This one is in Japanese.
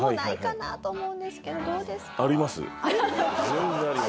全然あります。